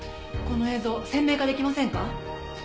この映像鮮明化できませんか？